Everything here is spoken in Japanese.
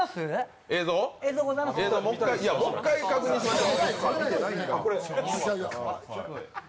もう一回確認しましょう。